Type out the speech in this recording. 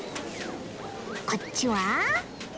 こっちは？